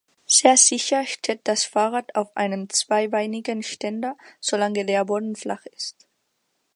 Sehr sicher steht das Fahrrad auf einem zweibeinigen Ständer, solange der Boden flach ist.